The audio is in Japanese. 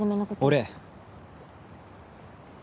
俺。